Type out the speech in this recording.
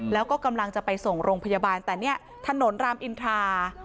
แล้วก็กำลังจะไปส่งโรงพยาบาลแต่เนี่ยถนนรามอินทรา